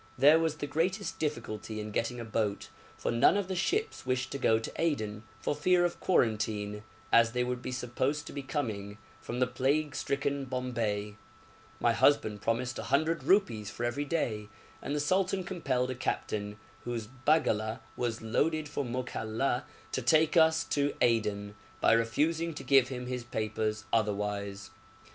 There was the greatest difficulty in getting a boat, for none of the ships wished to go to Aden, for fear of quarantine, as they would be supposed to be coming from the plague stricken Bombay. My husband promised 100 rupees for every day, and the sultan compelled a captain whose baggala was loaded for Mokalla to take us to Aden, by refusing to give him his papers otherwise.